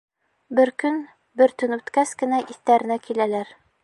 Бер көн, бер төн үткәс кенә иҫтәренә киләләр.